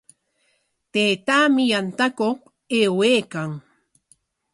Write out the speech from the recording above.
Taytaami yantakuq aywaykan.